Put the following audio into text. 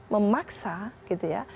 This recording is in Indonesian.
memaksa gitu ya